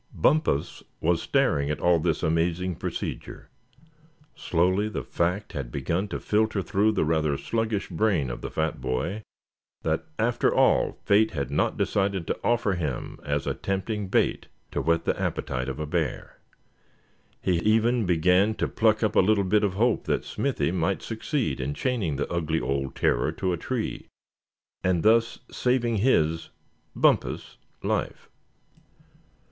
Bumpus was staring at all this amazing procedure. Slowly the fact had begun to filter through the rather sluggish brain of the fat boy that after all fate had not decided to offer him as a tempting bait to whet the appetite of a bear. He even began to pluck up a little bit of hope that Smithy might succeed in chaining the ugly old terror to a tree, and thus saving his, Bumpus' life.